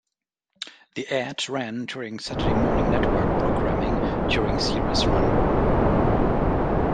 The ad ran during Saturday morning network programming during the series' run.